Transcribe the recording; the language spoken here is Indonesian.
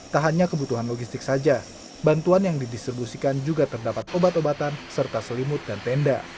tak hanya kebutuhan logistik saja bantuan yang didistribusikan juga terdapat obat obatan serta selimut dan tenda